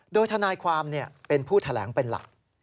โดยทนายความเป็นผู้แถลงเป็นหลัก